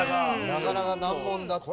なかなか難問だったな。